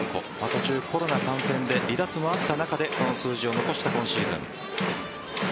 途中コロナ感染で離脱もあった中でこの数字を残した今シーズン。